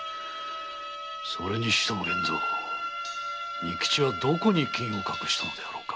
それにしても仁吉はどこに金を隠したのであろうか。